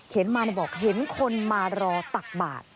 เห็นมาแล้วบอกเห็นคนมารอตักบาท